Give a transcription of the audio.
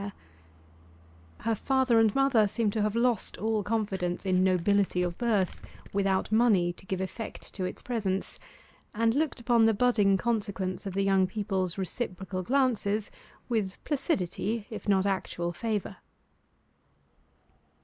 Her father and mother seemed to have lost all confidence in nobility of birth, without money to give effect to its presence, and looked upon the budding consequence of the young people's reciprocal glances with placidity, if not actual favour.